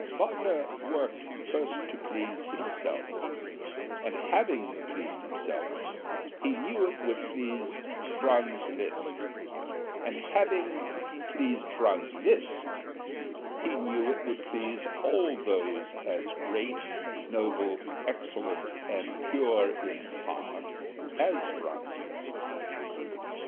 Wagner worked first to please himself, and having pleased himself he knew it would please Franz Liszt, and having pleased Franz Liszt he knew it would please all those as great, noble, excellent and pure in heart as Franz Liszt.